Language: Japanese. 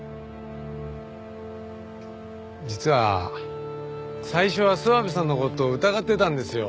実は最初は諏訪部さんの事を疑ってたんですよ。